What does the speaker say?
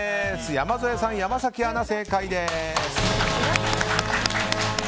山添さん、山崎アナ正解です！